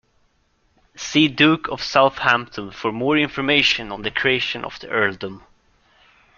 See Duke of Southampton for more information on this creation of the earldom.